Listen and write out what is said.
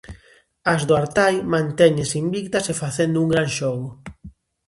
As do Artai mantéñense invictas e facendo un gran xogo.